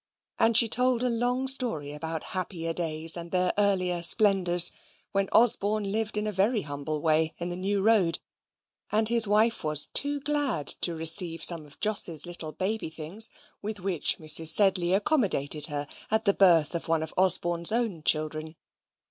And she told a long story about happier days and their earlier splendours, when Osborne lived in a very humble way in the New Road, and his wife was too glad to receive some of Jos's little baby things, with which Mrs. Sedley accommodated her at the birth of one of Osborne's own children.